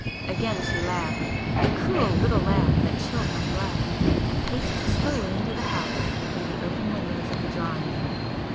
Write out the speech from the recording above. [p 328]Again she laughed,—a cruel little laugh that chilled my blood, and paced slowly into the house through the open windows of the drawing room.